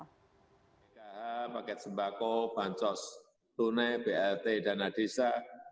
pemilikan pangkat sembako bantuan sosial tunai brt dana desa